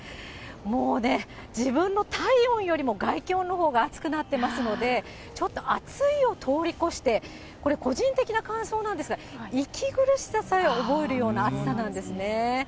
もうね、自分の体温よりも外気温のほうが暑くなっていますので、ちょっと暑いを通り越して、これ、個人的な感想なんですが、息苦しささえ覚えるような暑さなんですね。